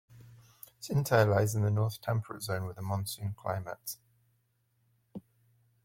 Xintai lies in the north temperate zone with a monsoon climate.